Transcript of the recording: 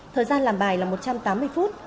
thời gian làm bài là một trăm tám mươi phút